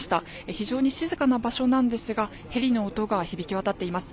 非常に静かな場所なんですがヘリの音が響き渡っています。